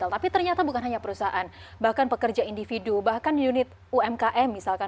tapi ternyata bukan hanya perusahaan bahkan pekerja individu bahkan unit umkm misalkan